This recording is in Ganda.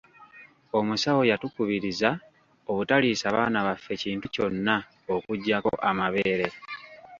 Omusawo yatukubiriza obutaliisa baana baffe kintu kyonna okuggyako amabeere.